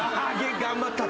頑張ったと。